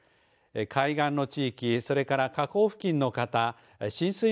海岸の地域それから河口付近の方